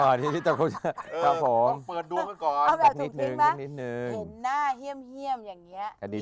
แบบถูกทิ้งนะเห็นหน้าเยี่ยมอย่างเงี้ย